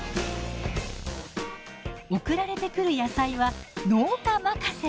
送られてくる野菜は農家任せ。